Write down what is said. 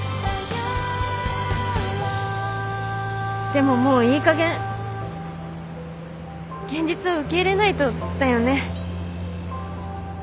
でももういいかげん現実を受け入れないとだよね。